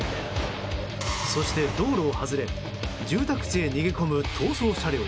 そして道路を外れ住宅地へ逃げ込む逃走車両。